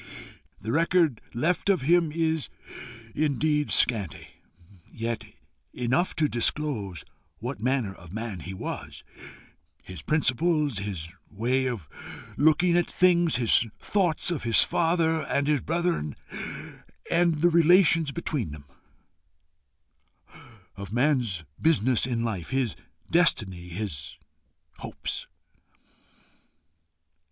The record left of him is indeed scanty, yet enough to disclose what manner of man he was his principles, his ways of looking at things, his thoughts of his Father and his brethren and the relations between them, of man's business in life, his destiny, and his hopes."